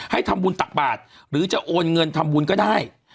ให้ทำบุญตักบาทหรือจะโอนเงินทำบุญก็ได้